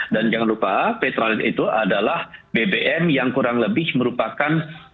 dan jangan lupa petrolin itu adalah bbm yang kurang lebih merupakan